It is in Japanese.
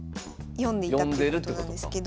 読んでいたってことなんですけど。